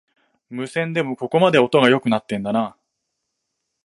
無線でもここまで音が良くなってんだな